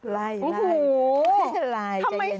ลายจริงนี่ลายใจเย็นโห